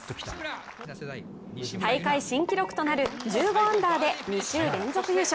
大会新記録となる１５アンダーで２週連続優勝。